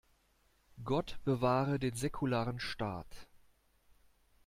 Gott bewahre den säkularen Staat!